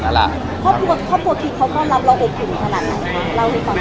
ครอบครัวที่เค้าก็รับเราอบถุงขนาดไหนค่ะ